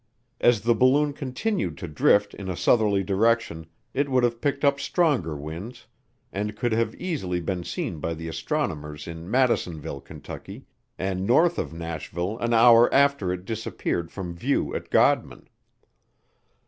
As the balloon continued to drift in a southerly direction it would have picked up stronger winds, and could have easily been seen by the astronomers in Madisonville, Kentucky, and north of Nashville an hour after it disappeared from view at Godman.